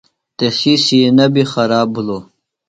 تسی سِینہ بیۡ خراب بِھلوۡ۔